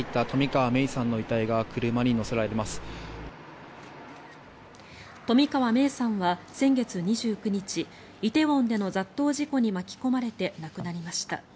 冨川芽生さんは先月２９日梨泰院での雑踏事故に巻き込まれて亡くなりました。